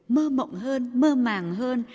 mơ mộng hơn mơ màng hơn